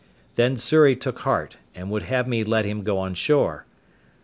Then Xury took heart, and would have me let him go on shore.